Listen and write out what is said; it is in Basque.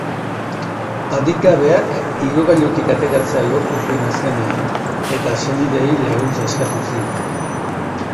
Adingabeak igogailutik ateratzea lortu zuen azkenean, eta senideei laguntza eskatu zien.